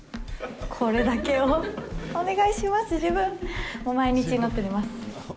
これだけを、お願いします、自分って、毎日祈っております。